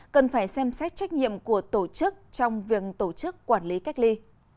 cần phải xem xét trách nhiệm của tổ chức trong việc tổ chức quản lý cách ly